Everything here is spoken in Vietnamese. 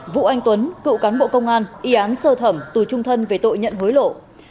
hai vũ anh tuấn cựu cán bộ công an y án sơ thẩm tù trung thân về tội nhận hối lộ